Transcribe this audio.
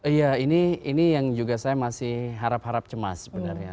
iya ini yang juga saya masih harap harap cemas sebenarnya